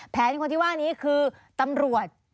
คนที่ว่านี้คือตำรวจ